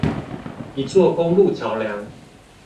一座公路橋梁